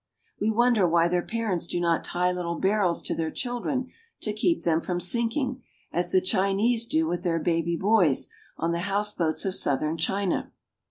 We wonder why their parents do not tie little barrels to their children to keep them from sinking, as the Chinese do with their baby boys on the house boats of southern China.